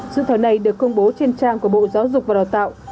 dự thờ này được công bố trên trang của bộ giáo dục và đào tạo